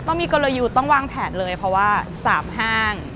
ต้องมีกลยุทธ์ต้องวางแผนเลยเพราะว่า๓ห้าง